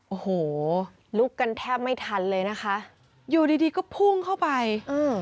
โอ้โหลุกกันแทบไม่ทันเลยนะคะอยู่ดีดีก็พุ่งเข้าไปอืม